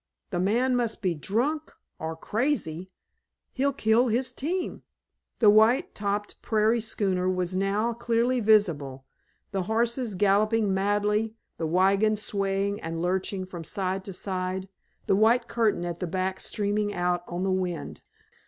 The man must be drunk—or crazy! He'll kill his team!" The white topped prairie schooner was now clearly visible, the horses galloping madly, the wagon swaying and lurching from side to side, the white curtain at the back streaming out on the wind.